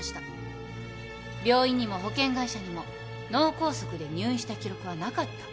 病院にも保険会社にも脳梗塞で入院した記録はなかった。